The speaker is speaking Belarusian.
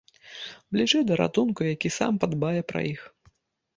Бліжэй да ратунку, які сам падбае пра іх.